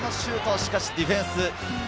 しかしディフェンス。